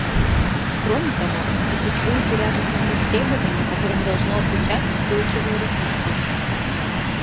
Кроме того, существует и ряд основных требований, которым должно отвечать устойчивое развитие.